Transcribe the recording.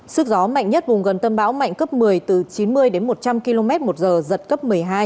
sức gió mạnh nhất vùng gần tâm bão mạnh cấp một mươi từ chín mươi đến một trăm linh km một giờ giật cấp một mươi hai